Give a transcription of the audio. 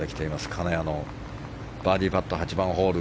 金谷のバーディーパット８番ホール。